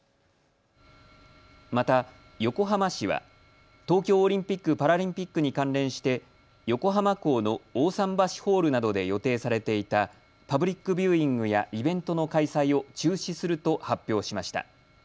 また横浜市は東京オリンピック・パラリンピックに関連して横浜港の大さん橋ホールなどで予定されていたパブリックビューイングやイベントの開催を中止すると発表しました。